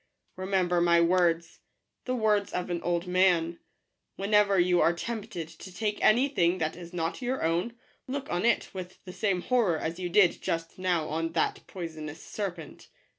Remember my words — the words of an old man :— whenever you are tempted to take any thing that is not your own, look on it with the same horror as you did just now on that poisonous serpent.